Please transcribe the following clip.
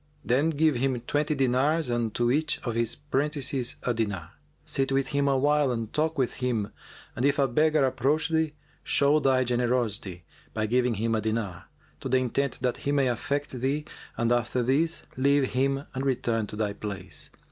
Then give him twenty dinars and to each of his prentices a dinar. Sit with him awhile and talk with him and if a beggar approach thee, show thy generosity by giving him a dinar, to the intent that he may affect thee, and after this, leave him and return to thy place.